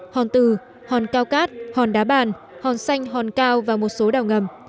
hòn từ hòn cao cát hòn đá bàn hòn xanh hòn cao và một số đào ngầm